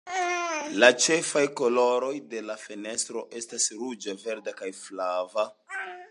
La ĉefaj koloroj de la fenestro estas ruĝa, verda kaj flava.